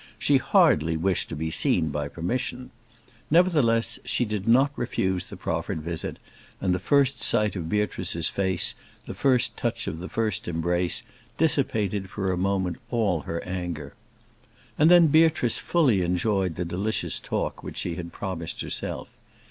She hardly wished to be seen by permission. Nevertheless, she did not refuse the proffered visit, and the first sight of Beatrice's face, the first touch of the first embrace, dissipated for the moment all her anger. And then Beatrice fully enjoyed the delicious talk which she had promised herself.